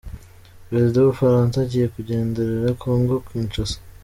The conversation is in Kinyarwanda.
Perezida w’u Bufaransa agiye kugenderera kongo Kinshasa